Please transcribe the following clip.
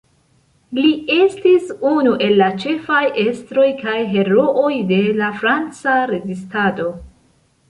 Li estis unu el la ĉefaj estroj kaj herooj de la Franca rezistado.